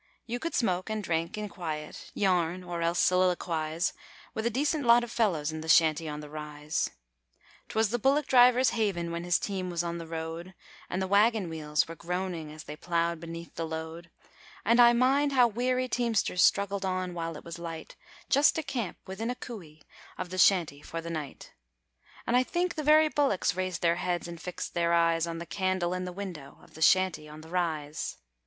You could smoke and drink in quiet, yarn, or else soliloquise, With a decent lot of fellows in the Shanty on the Rise. 'Twas the bullock driver's haven when his team was on the road, And the waggon wheels were groaning as they ploughed beneath the load; And I mind how weary teamsters struggled on while it was light, Just to camp within a cooey of the Shanty for the night; And I think the very bullocks raised their heads and fixed their eyes On the candle in the window of the Shanty on the Rise.